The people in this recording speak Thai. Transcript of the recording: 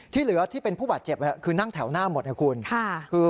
เหลือที่เป็นผู้บาดเจ็บคือนั่งแถวหน้าหมดนะคุณ